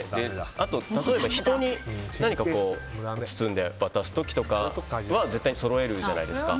あと、例えば人に何か包んで渡す時とかは絶対にそろえるじゃないですか。